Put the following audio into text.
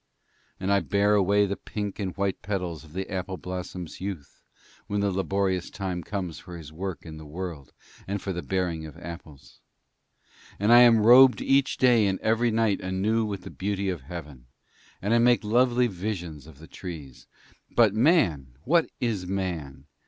And I bear far away the pink and white petals of the apple blossom's youth when the laborious time comes for his work in the world and for the bearing of apples. And I am robed each day and every night anew with the beauty of heaven, and I make lovely visions of the trees. But Man! What is Man?